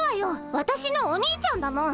わたしのお兄ちゃんだもん。